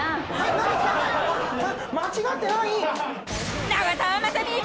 間違ってない。